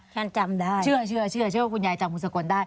เชื่อคุณยายจำคุณสกลได้